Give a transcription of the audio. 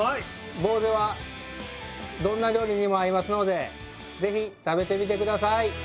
ぼうぜはどんな料理にも合いますのでぜひ食べてみて下さい！